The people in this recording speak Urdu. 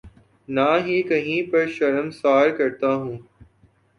نہ ہی کہیں پر شرمسار کرتا ہے۔